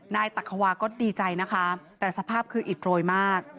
ตักขวาก็ดีใจนะคะแต่สภาพคืออิดโรยมาก